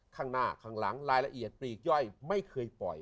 ข้างหน้าข้างหลังรายละเอียดปลีกย่อยไม่เคยปล่อย